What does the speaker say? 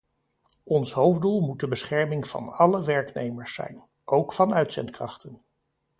Ons hoofddoel moet de bescherming van alle werknemers zijn, ook van uitzendkrachten.